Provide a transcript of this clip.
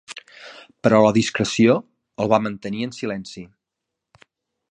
Però la discreció el va mantenir en silenci.